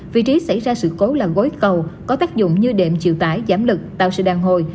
vị trí xảy ra sự khối là gói cầu có tác dụng như đệm chịu tải giảm lực tạo sự đàn hồi